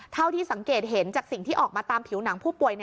เท่าที่สังเกตเห็นจากสิ่งที่ออกมาตามผิวหนังผู้ป่วย